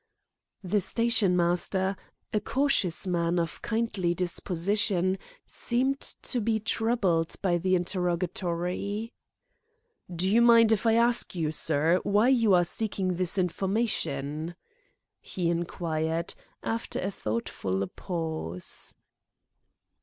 The stationmaster, a cautious man of kindly disposition, seemed to be troubled by the interrogatory. "Do you mind if I ask you, sir, why you are seeking this information?" he inquired, after a thoughtful pause.